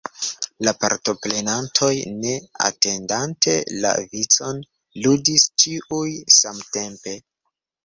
La partoprenantoj, ne atendante la vicon, ludis ĉiuj samtempe.